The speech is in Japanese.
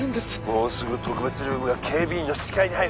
もうすぐ特別ルームが警備員の視界に入る